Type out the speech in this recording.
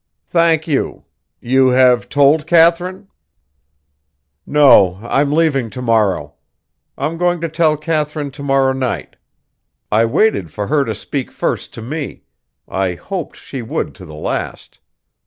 "Thank you. You have told Katharine?" "No, I'm leaving to morrow. I'm going to tell Katharine to morrow night. I waited for her to speak first to me; I hoped she would to the last.